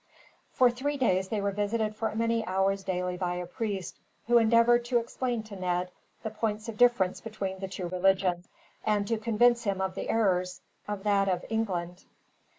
For three days they were visited for many hours daily by a priest, who endeavored to explain to Ned the points of difference between the two religions, and to convince him of the errors of that of England.